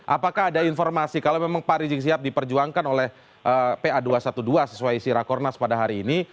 apakah ada informasi kalau memang pak rizik sihab diperjuangkan oleh pa dua ratus dua belas sesuai isi rakornas pada hari ini